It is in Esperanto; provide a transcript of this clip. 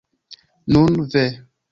Nun, ve!